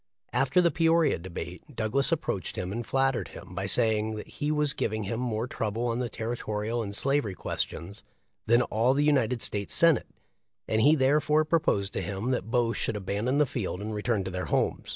After the Peoria debate Douglas approached him and flattered him by say ing that he was giving him more trouble on the territorial and slaver}' questions than all the United States Senate, and he therefore proposed to him that both should abandon the field and return to their homes.